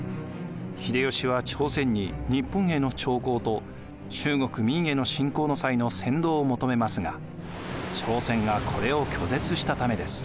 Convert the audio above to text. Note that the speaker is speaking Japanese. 秀吉は朝鮮に日本への朝貢と中国・明への侵攻の際の先導を求めますが朝鮮がこれを拒絶したためです。